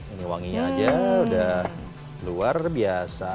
ini wanginya aja udah luar biasa